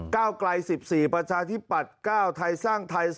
ก้าวไกล๑๔ประชาธิปัตย์๙ไทยสร้างไทย